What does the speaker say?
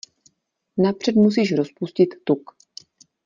Napřed musíš rozpustit tuk.